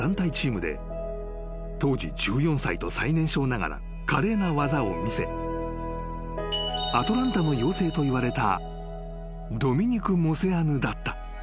［当時１４歳と最年少ながら華麗な技を見せアトランタの妖精といわれた］